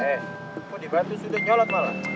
eh mau dibantu sudah nyolot malah